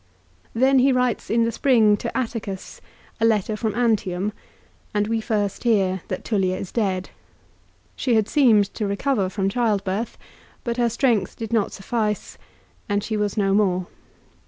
1 Then he writes in the spring to Atticus a letter from Antium, and we first hear that Tullia is dead. She had seemed to recover from childbirth ; but her strength did not suffice, and she was no more.